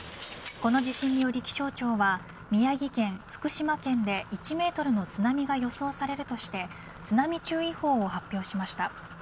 この地震により気象庁は宮城県、福島県で１メートルの津波が予想されるとして津波注意報を発表しました。